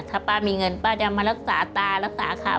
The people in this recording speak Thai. ถ้าป้ามีเงินป้าจะมารักษาตารักษาเขา